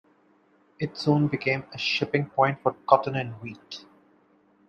It soon became a shipping point for cotton and wheat.